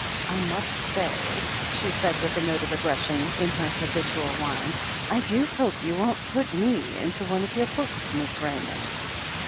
"I must say," she said with a note of aggression in her habitual whine, "I do hope you won't put me into one of your books, Miss Raymond."